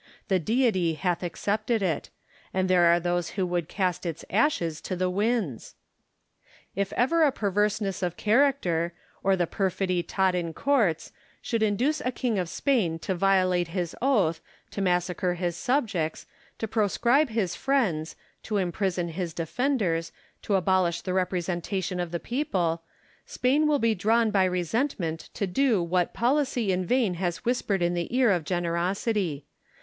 The Deity hath accepted it : and there are those who would cast its ashes to the winds ! If ever a perverseness of character, or the perfidy taught in courts, should induce a king of Spain to violate his oath, to massacre his subjects, to proscribe his friends, to imprison his defenders, to abolish the representation of the people, Spain will be drawn by resentment to do what policy in vain has whispered in the ear of generosity.